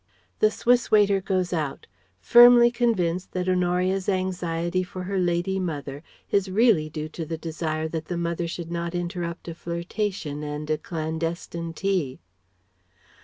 (The Swiss waiter goes out, firmly convinced that Honoria's anxiety for her lady mother is really due to the desire that the mother should not interrupt a flirtation and a clandestine tea.)